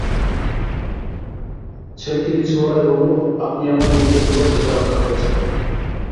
ছেলেটি নিচু গলায় বলল, আপনি আমার বোনকে বিপদ থেকে রক্ষা করেছেন।